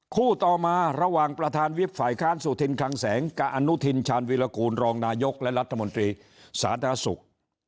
คู่ต่อมาระหว่างประธานวิบฝ่ายค้านสุธินคังแสงกับอนุทินชาญวิรากูลรองนายกและรัฐมนตรีสาธารณสุข